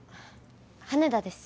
羽田です